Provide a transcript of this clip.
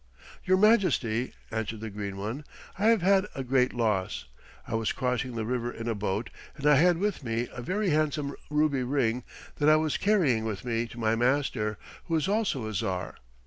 "Your majesty," answered the Green One, "I have had a great loss. I was crossing the river in a boat, and I had with me a very handsome ruby ring that I was carrying with me to my master, who is also a Tsar.